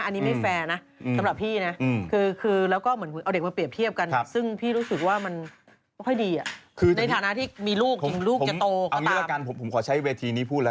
อันนี้ไม่แฟร์นะสำหรับพี่นะ